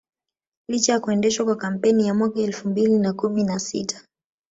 Licha ya kuendeshwa kwa kampeni ya mwaka elfu mbili na kumi na sita